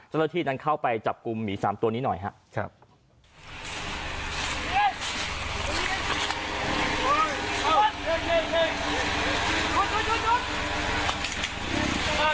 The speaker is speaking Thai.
เจ้าหน้าที่นั้นเข้าไปจับกลุ่มหมี๓ตัวนี้หน่อยครับ